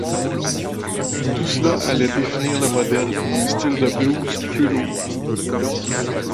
Tout cela allait définir le modèle pour un style de blues plus lourd.